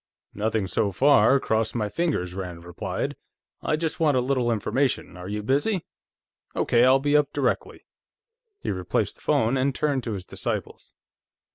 "Nothing, so far cross my fingers," Rand replied. "I just want a little information. Are you busy?... Okay, I'll be up directly." He replaced the phone and turned to his disciples.